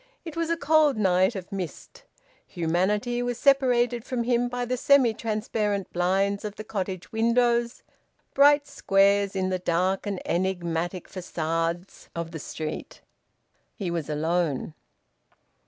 It was a cold night of mist. Humanity was separated from him by the semi transparent blinds of the cottage windows, bright squares in the dark and enigmatic facades of the street. He was alone.